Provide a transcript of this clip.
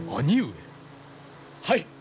はい！